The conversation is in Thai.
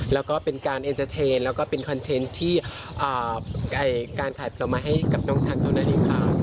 แล้วก็เป็นการแล้วก็เป็นคอนเทนต์ที่อ่าใกล้การถ่ายผลมาให้กับน้องชันตอนนั้นอีกค่ะ